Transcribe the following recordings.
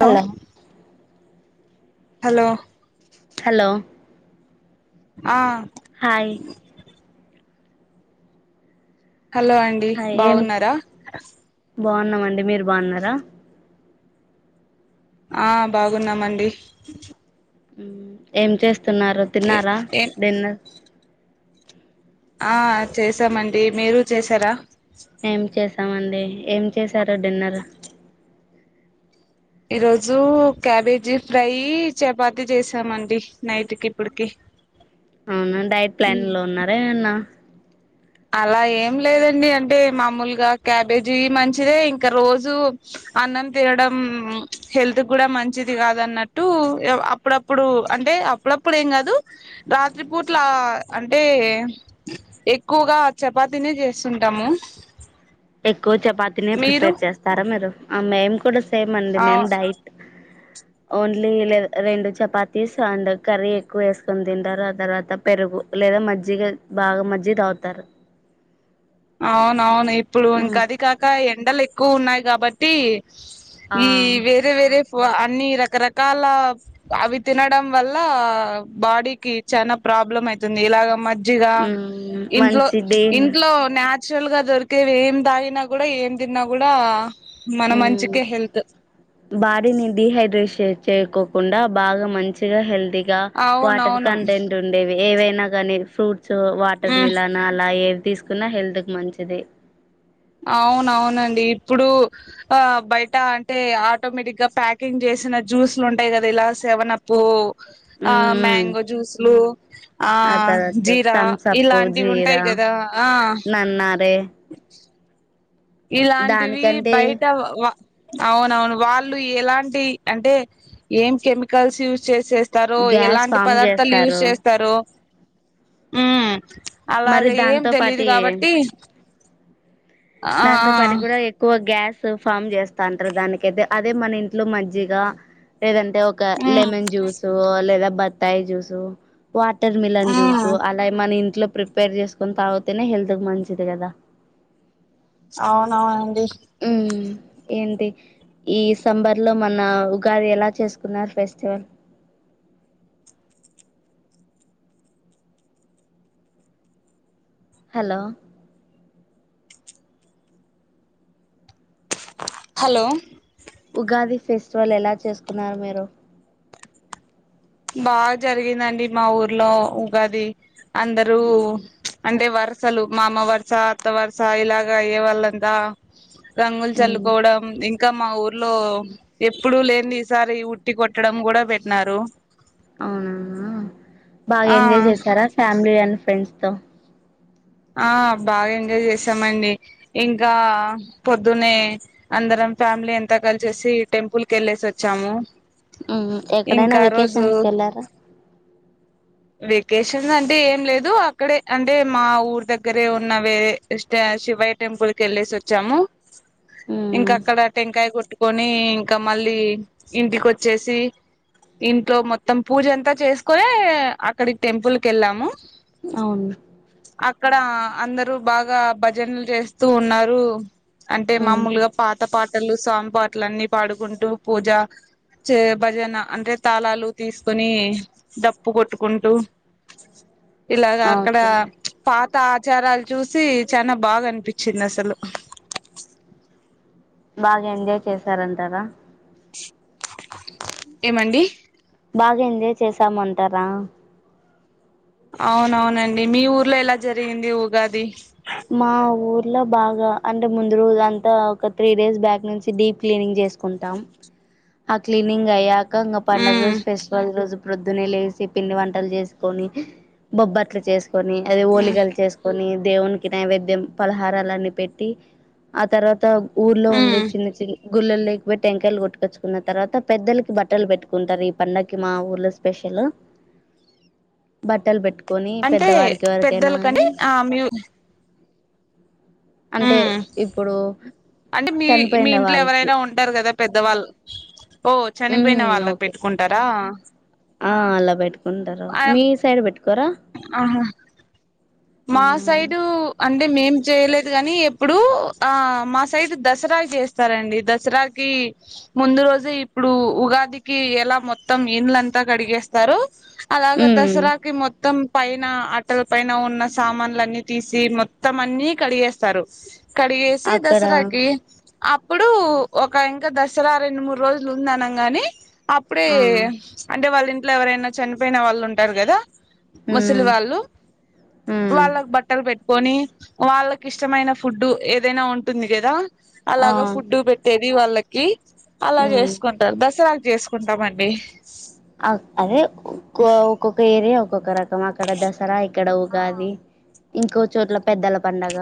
Hello hello hello ఆ hi hello అండి hi ఏం బాగున్నారా బాగున్నామండి. మీరు బాగున్నారా ఆ బాగున్నామండి. మ్మ్ ఏం చేస్తున్నారు ఏ తిన్నారా ఏం డిన్నర్ ఆ చేసామండి. మీరు చేసారా మేం చేస్తామండి. ఏం చేసారు డిన్నర్ ఈరోజూ క్యాబేజీ ఫ్రై చపాతి చేసామండి నైట్కి ఇప్పిటికి అవునా డైట్ ప్లాన్లో ఉన్నారా ఏమన్నా అలా ఏం లేదండి అంటే మామూలుగా క్యాబేజీ మంచిదే ఇంక రోజు అన్నం తినడం హెల్త్ కూడా మంచిది కాదన్నట్టు అప్పుడప్పుడు అం టే అప్పుడప్పుడేమ్ కాదు రాత్రి పూట్ల అంటే ఎక్ క్కువగా చపాతినే‌ చేస్తుంటాము. ఎక్కువ చపాతినే‌ మీరు ప్రిఫేర్ చేస్తారా మీరు ఆ మేము‌కూడా సే సేమ్ అండి ఆ మేమ్ డైట్ ఓన్లీ లేద్ రెండు చపాతీస్ అండ్ కర్రీ ఎక్కువేసుకొని తింటారు. ఆ తర్వాత పెరుగు లేదా మజ్జిగా బాగా మజ్జిగ తాగ్తారు. అవునవును ఇప్పుడు ఇంకది కాక ఎండలెక్కువ ఉన్నాయి కాబట్టి ఈ ఆ వేరే వేరే క్కువ అన్ని రకరకాల అవి తినడం వల్ల బాడీకి చాన ప్ర ప్రాబ్లం అయితుంది ఇలాగ మజ్జిగ ఇంట్లో మంచిది ఇంట్లో నాచురల్గా దొరికేవేం తాగిన కూడా ఏం తిన్నా కూడా మన మ్మ్ మంచికే హెల్త్ బాడిని డిహైడ్రేష్ చేయకోకుండా బాగా మంచిగా హెల్తీగా వాటర్ అవునవును కంటెంట్ ఉండేవి ఏవై నకాని ఫ్రూట్స్ వాటర్ ఉ మిలాన్ అలా ఏవి తీసుకున్నా హెల్త్కి మంచిది. అవునవునండి ఇప్పుడు ఆ బయట అంటే ఆటోమేటిక్గా ప్యాకింగ్ చేస్ సిన జ్యూస్లు ఉంటాయ్ కదా ఇలా సెవనప్పు ఆ ఉమ్ మ్యాంగో జ్యూస్లు ఆ తర్వాత జీరా థమ్సప్ ఇలాంటివుంటయ్ జీరా కదా కదా ఆ నన్నారే ఇలాంటివి దానికంటే బయట వా అవునవును వాళ్ళు ఎలాంటి అంటే ఏం కెమికల్స్ యూజ్ చేస్ చేస్తారో గ్యాస్ ఎలాంటి ఫామ్ పదార్థాలు యూస్ చేస్తారు చేస్తారో ఉమ్ అలాగ మరి ఏం దాంతో తెలిదు పాటి కాబట్టి ఆ ఆ దాంతో పాటి కూడా ఎక్కువ గ్యాస్ స్ ఫామ్ చేస్తాంటారు దానికైతే అదే మన ఇంట్లో మజ్జిగా ఏదన్ ఒక ఉమ్ లెమన్ జ్యూసు లేదా బత్తాయి జ్యూసు వాటర్ మిలన్ జ్యూస్ ఉమ్ అలా మన ఇంట్లో ప్రిపేర్ చేసుకొని తాగుతేనే హెల్త్కి మంచిది కదా అవునా అండి. మ్మ్ ఏంటి ఈ సంబర్లో మన్న ఉగాది ఎలా చేసుకున్నారు ఫెస్టివల్ అ హలో హలో ఉగాది ఫెస్టివల్ ఎలా చేసుకున్నారు మీరు బాగ్ జరిగిందండి మా ఊర్లో ఉగాది అందరూ అంటే వర్ ర్సలు మామ వరుస అత్త వరుస ఇలాగయ్యే వాళ్ళంతా రంగులు ఉమ్ చల్లుకోవడం ఇం ఇంకా మా ఊర్లో ఎప్పుడు లేనిది ఈసారి ఉట్టి కొట్టడం కూడా పెట్నారు. అవునా బాగా ఆ ఎంజాయ్ చేసారా ఫ్యామిలీ అండ్ ఫ్రెండ్స్తో ఆ బాగా ఎంజాయ్ చేసామండి ఇంకా పొద్దునే అందరం ఫ్యామిలీ ఎంత కలిసేసి టెంపుల్ కెళ్ళేసి‌ వచ్చాము ఊ ఎక్కడైనా ఇంకా రోజు వెకేషన్స్కి వెళ్ళారా వెకేషన్స్ అంటే ఏం లేదు అక్కడే అంటే మా ఊర్ దగ్గరే ఉన్న వేరే స్టాష్ శివయ్య టెంపుల్ కెళ్ళేసి వచ్చాము ఇంకా ఉమ్ అక్కడ టెంకాయ కొట్టి కొని ఇంకా మళ్ళీ ఇంటికి వచ్చేసి ఇంట్లో మొత్తం పూజ అంతా చేసుకో ఏ అక్కడికి టెంపుల్ కెళ్ళాము అవును అక్కడ అందరు బాగా భజనలు చేస్తూ ఉన్నారు అంటే ఉమ్ మామూలుగా పాత పాటలు స్వామి పాటలు అన్ని పాడుకుంటూ పూజ చే భజన అంటే తాళాలు తీసుకుని డప్పు కొట్టు ఉంటూ ఇలాగ అక్కడ ఓకే ప్చ్ పాత్ కొత్త ఆచారాలు చూసి చానా బాగా అనిపించింది అసలు బాగా ఎంజాయ్ చేసారంటారా ఏమండి బాగా ఎంజాయ్ చేసాము అంటారా అవునవునండి మీ ఊర్లో ఎలా జరిగింది ఉగాది మా ఊర్ ల బాగా అంటే ముందు రోజు అంతా ఒక త్రీ డేస్ బ్యాక్ నుంచి డీప్ క్లీనింగ్ చేసుకుంటాం ఆ క్లీనింగ్ అయ్యాక ఇంకా పండుగ ఉమ్ రోజు ఫెస్టివల్ రోజు ప్రొద్దునే లేసి పిండి వంటలు చేసుకొని బొబ్బట్లు చేస్ కొని అదే ఉమ్ ఓలిగాలు చేసుకొని దేవునికి నైవేద్యం పలహారాలన్ని పెట్టి ఆ తర్వాత ఊర్లో ఉండే ఉమ్ చిన్న చిన్న గుళ్ళలు లేకపోట్టి టంకాయలు కొట్టుకొచ్చుకున్న తర్వాత పెద్దలకి బట్టలు పెట్టుకుంటారు ఈ పండకి మా ఊర్లా స్పెషలు బట్టలు పెట్టుకొని అంటే పెద్దవారికి ఎవరకైనా పెద్దల కానీ కంటే ఆ ఉ అంటే ఇప్పుడు అంటే మీ మీ చనిపోయిన ఇంట్లో వాళ్ళకి ఎవరైనా ఉంటారు కదా పెద్దవాళ్ళ ఓ ఉమ్ చనిపోయిన వాళ్ళకి ఓకే పెట్టుకుంటారా ఆ అలా పెట్టుకుంటారు ఆ మీ సైడ్ పెట్టుకోరా ఆహా మా సైడు అంటే మేం చేయలేదు కాగానీ ఇప్పుడు ఆ మా సైడ్ దసరా చే స్తారండి దసరాకి ముందు రోజే ఇప్పుడు ఉగాదికి ఎలా మొత్తం ఇండ్లన్ అంత కడిగేస్తారు అలాగా ఉమ్ దసరాకి మొత్తం పైన అటల పైన ఉన్న సామానులున్నీ తీసి మొత్తం అన్ని కడిగేస్తారు కడిగేసి అక్కడ దసరాకి ప్పుడు ఒక ఇంకా దసరా రెండు మూడు రోజులు ఉంద అనం గాని అప్పుడే ఆ అంటే వాళ్ళ ఇంట్లో ఎవరైనా చనిపోయిన వాళ్ళు ఉంటారు కదా ముసలి ఉమ్ వాళ్ళు ఉమ్ వాళ్ళకు బట్టలు పెట్ పెట్టుకొని వాళ్ళకి ఇష్టమైన ఫుడ్డు ఏదైనా ఉంటుంది కదా ఆ అలాగ ఫుడ్ పెట్టేది వాళ్ళకి అలా ఉమ్ చేసుకుంటారు దసరా చేసుకుంటామండి అ అదే ఒ ఒక్కొక్క ఏరియా ఒక్కొక్క రక అక్కడ దసరా ఇక్కడ ఉగాది ఇంకో చోట్ల పెద్దల పండగ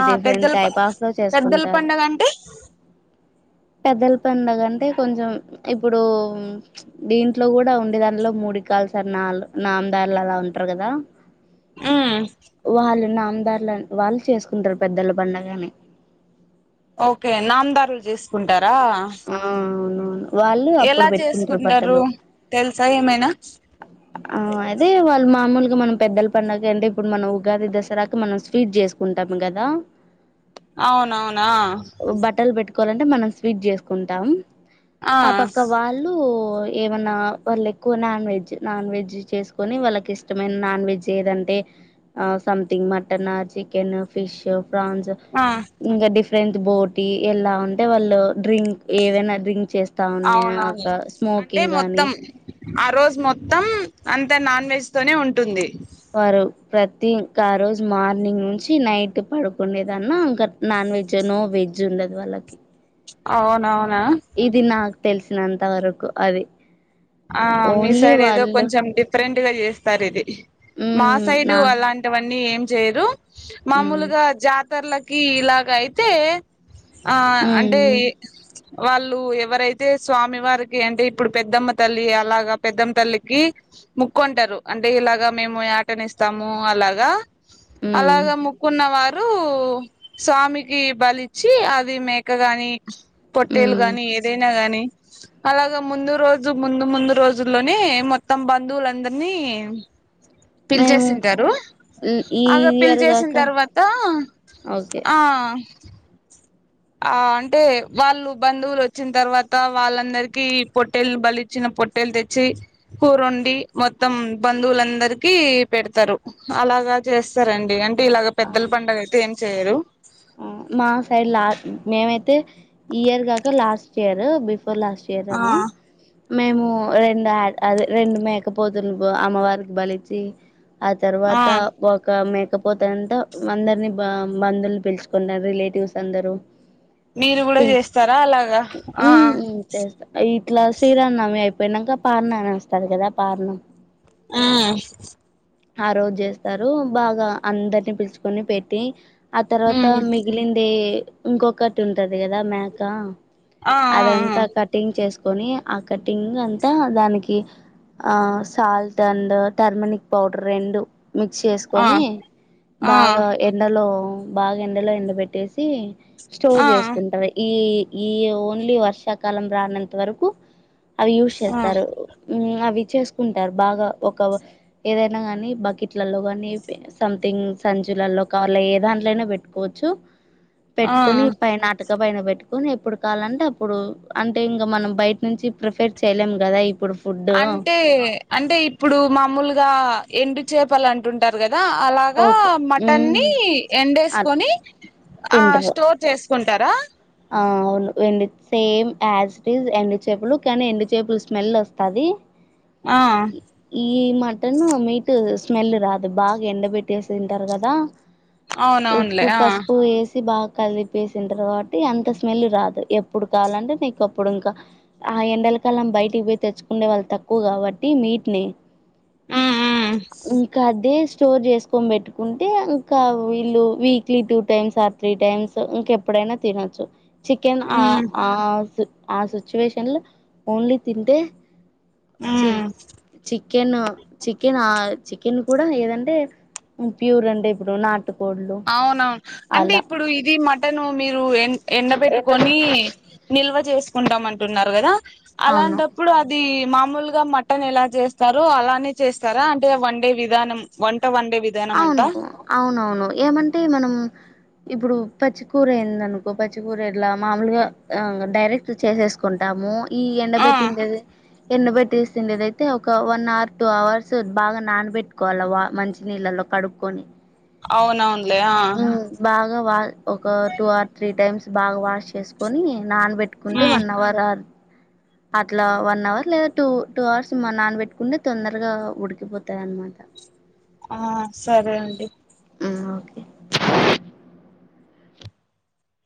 ఆ డిఫరెంట్ పెద్దల ప టైప్ ఆఫ్ లో పెద్దల చేసుకుంటారు పండగ అంటే పెద్దల పడుగంటే కొంచెం ఇప్పుడు ప్చ్ దీంట్లో కూడా ఉండే దానిట్లో మూడి కాల్స్ ఆర్ నాలు నామదారులు అలా ఉంటారు కదా ఉమ్ వాళ్ళున్నా దారులని వాళ్ళు చేసుకుంటారు పెద్దల పండగని ఓకే నాందారులు చేసుకుంటారా ఆ అవునవును వాళ్ళు ఎలా అప్పుడు పెట్టుకుంటారు చేసుకుంటారు బట్టలు తెలుసా ఏమైనా ఆ అదే వాళ్ళు మామూలుగా మనం పెద్దల పడుగ అంటే ఇప్పుడు మనం ఉగాది దసరాకి మనం స్వీట్ చేసుకుంటాము కదా అవునవును బట్టలు పెట్టుకోవాలంటే మనం స్వీట్ చేసుకుంటాం ఆ పక్క వాళ్ళు ఏమన్నా వాళ్ళు ఎక్కువ నాన్ వెజ్ నాన్ వెజ్ చేసుకుొని వాళ్ళకి ఇష్టమైన నాన్ వెజ్ ఏదంటే ఆ something mutton chicken fish prawns ఆ ఇంగా డిఫ బోటీ ఎలా ఉంటే వాళ్ళు డ్రింక్ ఏవైనా డ్రింక్ చేస్త అవునవును అంటే మొత్తం ఆ రోజు మొత్తం అంత నాన్ వెజ్ తోనే ఉంటుంది వారు ప్రతి ఇంకా ఆ రోజు మార్నింగ్ నుంచి నైట్ పడుకుండనేదన్న ఇంకా నా నాన్ వెజ్ నో వెజ్ ఉండదు వాళ్ళకి అవునువును ఇది నాకు తెలిసినంత వరకు అది ఆ మీ ఓన్లీ సైడ్ ఏదో వాళ్ళు కొంచెం డిఫరెంట్ గా చేస్తారు ఇది మా మ్మ్ సైడు నా అలాంటివన్నీ ఏం చేయరు మ్మ్ మామూలుగా జాతి ఇతర్లకి ఇలాగ అయితే ఆ అంటే మ్మ్ వాళ్ళు ఎవరైతే స్వామి వారికి అంటే ఇప్పుడు పెద్దమ్మ తల్లి అలాగా పెద్దమ్మ తల్లికి ముక్కుంటారు అంటే ఇలాగా మేము యాటని ఇస్తాము అ లాగా మ్మ్ అలాగా ముక్కున్న వారి రు స్వామికి బలిచ్చి అది మేకగాని పొట్టేలు మ్మ్ గానీ ఏదైనా గానీ అలాగా ముందు రోజు రోజు ముందు ముందు రోజుల్లోనే మొత్తం బంధువులందరినీ మేము పిలిచేసింటారు ఈ అగా పిలి ఇయర్ చేేసిన కాక తర్వాత ఓకే ఆ ఆ అంటే వాళ్ళు బంధువులు వచ్చిన తర్వాత వాళ్ళందరికీ పొట్టే బలిచ్చిన పొట్టేలు తెచ్చి కూరండి మొత్తం బంధువులందరికి పెడతారు అలా ఇలాగా చేస్తారండి అంటే ఇలాగ ఆ పెద్దల పడుగ అయితే ఏం చేయరు మా సైడ్ లా మేమైతే ఇయర్ కాక లాస్ట్ ఇయర్ బిఫ బిఫొర్ లాస్ట్ ఇయర్ ఆ రామో మేము రెండు అది రెండు మేకపోతులు అమ్మవారికి బలిచి ఆ ఆ తర్వాత ఒక మేకపోతంత అందరిని బ బందువులు పిలిచి కున్నారు రిలేటివ్స్ అందరూ మీరు కూడా పిలుచుకో చేస్తారా అలాగా ఆ ఉ చేస్తా ఇట్లా శ్రీరాన్నమి అయిపోయినాక పారణ అనిస్తారు కదా పారణ ఆ ఆ రోజు చేస్తారు బాగా అందరినీ పిలుచుకొని పెట్టి ఆ తర్వాత ఉమ్ అత్త మిగిలింది ఇంకొకటి ఉంటది కదా మేక ఆ అదంతా కటింగ్ చేసుకొని ఆ కటింగ్ అంతా దానికి ఆ సాల్ట్ అడ్ టెర్మనిక్ పౌడర్ రెండు మిక్స్ ఆ ఆ చేసుకొని బాగా ఎండలో బాగా ఎండలో ఎండ పెెట్టేసి స్టోర్ ఆ ఆ చేసుకుంటారు ఈ ఈ ఓన్లీ వర్షాకాలం రానంత వరకు అవి యూజ్ ఆ చేస్తారు అవి చేసుకుంటారు బాగా ఒక ఏదైనా కాని బకెట్లలో కానీ సంథింగ్ జలల్లో కావర్ళ ఏ దాంట్లోైనా పెట్టుకోవచ్చు ఆ పెట్టుకుొని పైనటక పైన పెట్టు ని ఎప్పుడు కావాలంటే అప్పుడు అంటే ఇంగా మనం బయట నుంచి ప్రిఫెర్ చేయలేం కదా ఇప్పుడు ఫుడ్ అంటే అంటే ఇప్పుడు మామూలుగా ఎండు చేపలు అంటుంటారు కదా అలాగా ఓకే మటన్ ని ఉమ్ అట్ ఎండేసుకొని ఆ తిండ్రు స్టోర్ చేసు కుంటారా ఆ ఎం సేమ్ యాజ్ ఇట్ ఇస్్ ఎండు చేపలు కానీ ఎండు చేపులు స్మెల్ వస్తది ఆ ఈ మటన్ మీట్ స్మెల్ రాదు బాగా ఎండ పెట్టేసి తింటారు కదా అవునవునులే ఉప్పు ఆ పసుపు ఏసి బా కలిపేసినా తారు అంత స్మెల్ రాదు ఎప్పుడు కావాలంటే నీకు అప్పుడు ఇంకా ఆ ఎండల కాలం బయటికి పోయి తెచ్చుకు ఉండే వాళ్ళ తక్కువ కాబట్టి మీటిని ఉమ్ ఉమ్ ఇంకా అదే స్టోర్ చేసుకొని పెట్టుకుంటే ఇంకా వీళ్ళు weekly two times or three times ఇంకెప్పుడైనా తినొచ్చు చికెన్ ఆ ఉమ్ ఆ ఆ సిచువేషన్ లో ఓన్లీ తింటే చి హ్మ్మ్ చికెన్ చికెన్ ఆ చికెన్ కూడా ఏదంటే ప్యూర్ అంటే ఇప్పుడు నాట్ అవునవును అంటే ఇప్పుడు ఇది మటను మీరు ఎ ఎండబెట్టుకని నిల్వ చేసుకుంటాం అంటున్నారు కదా అవును అలాంటప్పుడు అది మామూలుగా మటన్ ఎలా చేస్తారు అలానే చేస్తారా అంటే వన్ డే విధానం వన్ అవును అవునవును ఏమంటే మనం ఇప్పుడు పచ్చికూర ఏంద అనుకో పచ్చికూర ఇలా మామూలుగా డైరెక్ట్ చేసేసుకుంటాము ఈ ఎండ ఆ బేట్టి ఎండ బేట్ తీసిండేద అతే ఒక వన్ అవర్ టూ అవర్స్ బాగా నానబెట్టుకోవాలి వా మంచి నీళ్ళలో కడుక్కొని అవునవునులే ఆ హ్మ్. బాగా ఒక టూ ఆర్ త్రీ టైమ్స్ బాగా వాష్ చేసుకొని నానబెట్టుకుంటే ఉమ్ వన్ అవర్ అట్లా వన్ అవర్ లేదా టూ టూ అవర్స్ మా నానబెట్టుకుంటే తొందరగా ఉడికిపోతది అనమాట ఆ సరే అండి హ్మ్మ్ ఓకే